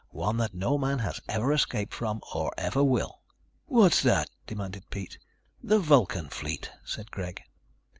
"One that no man has ever escaped from, or ever will." "What's that?" demanded Pete. "The Vulcan Fleet," said Greg.